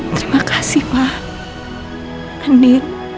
terima kasih pak andi